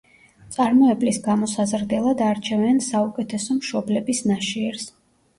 მწარმოებლის გამოსაზრდელად არჩევენ საუკეთესო მშობლების ნაშიერს.